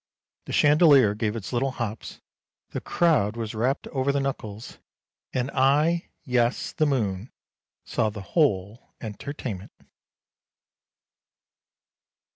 The chandelier gave its little hops ; the crowd was wrapped over the knuckles, and I . Yes, the moon saw the whole entertainment."